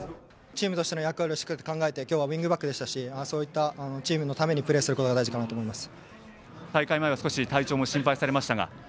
チームとしての役割をしっかりと考えて今日はウイングバックでしたしそういったチームのためにプレーすることが大事かなと思います。